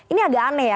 ini agak aneh ya